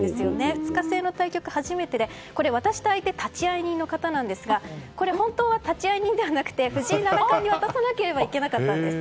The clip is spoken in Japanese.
２日制の対局が初めてで渡した相手は立会人の方なんですが本当は立会人ではなくて藤井七冠に渡さなければいけなかったんです。